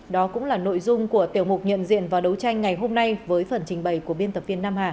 đó cũng là nội dung của tiểu mục nhận diện và đấu tranh ngày hôm nay với phần trình bày của biên tập viên nam hà